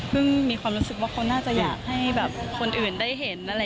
เพิ่งมีความรู้สึกว่าเขาน่าจะอยากให้คนอื่นได้เห็น